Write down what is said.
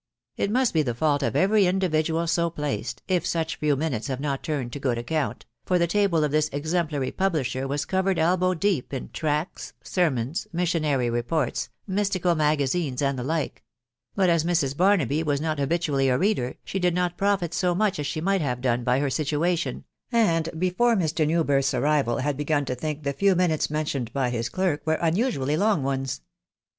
It roust fee the fault of every individual so placed, if such few minutes have not turned to good account ; for the table of tins exemplary publisher was covered elbow deep in tracts, sermons, missionary reports, mystical magazines, and tfhe like : but as Mrs. Barnafey was not habitually a reader, she did net profit so much as shemig^pt have done by her situation, andfc before Mr. Newbirth's arrival, had begun to think the few minutes " mentioned by his clerk were unusually long ones.